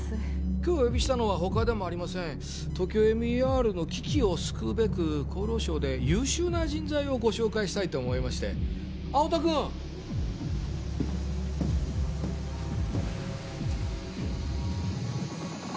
今日お呼びしたのはほかでもありませんＴＯＫＹＯＭＥＲの危機を救うべく厚労省で優秀な人材をご紹介したいと思いまして青戸君厚